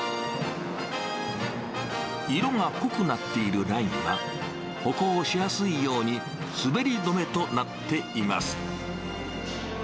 色が濃くなっているラインは、歩行しやすいように、滑り止めとなっています。